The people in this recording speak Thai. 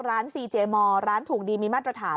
ซีเจมอร์ร้านถูกดีมีมาตรฐาน